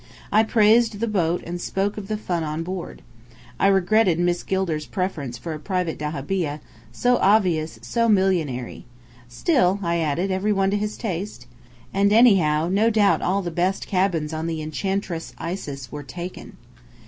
I praised the boat and spoke of the fun on board. I regretted Miss Gilder's preference for a private dahabeah, so obvious, so millionairy! Still, I added, every one to his taste! And anyhow, no doubt all the best cabins on the Enchantress Isis were taken.